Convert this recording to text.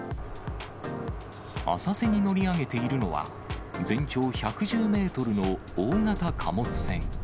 浅瀬に乗り上げているのは、全長１１０メートルの大型貨物船。